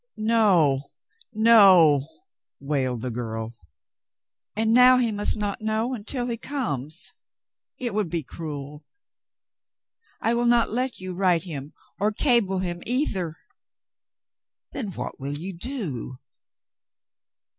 "No, no," wailed the girl. "And now he must not know until he comes. It would be cruel. I will not let you write him or cable him either." "Then what will you do